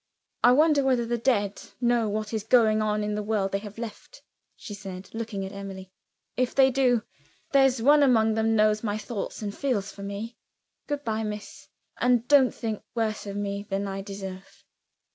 "I wonder whether the dead know what is going on in the world they have left?" she said, looking at Emily. "If they do, there's one among them knows my thoughts, and feels for me. Good by, miss and don't think worse of me than I deserve."